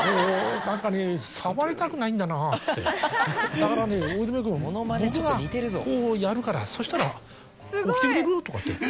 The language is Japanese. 「だからね大泉君僕がこうやるからそしたら起きてくれる？」とか言って。